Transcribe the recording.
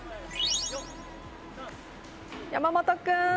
山本君。